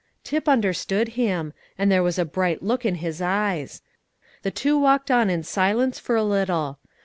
Tip understood him, and there was a bright look in his eyes. The two walked on in silence for a little.